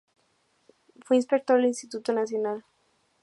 Fue inspector del Instituto Nacional.